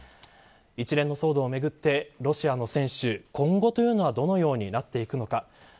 一連の騒動をめぐってロシアの選手今後というのはどのようになっていくのか。